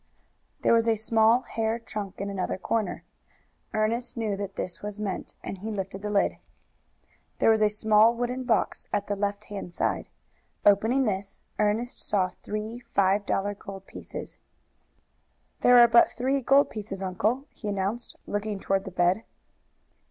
There was a small hair trunk in another corner. Ernest knew that this was meant, and he lifted the lid. There was a small wooden box at the left hand side. Opening this, Ernest saw three five dollar gold pieces. "There are but three gold pieces, uncle," he announced, looking toward the bed.